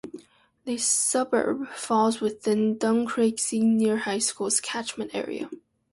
The suburb falls within Duncraig Senior High School's catchment area.